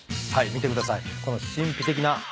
見てください。